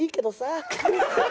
ハハハハ！